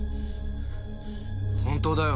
本当だよ